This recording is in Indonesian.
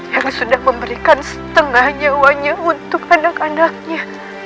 kami sudah memberikan setengah nyawanya untuk anak anaknya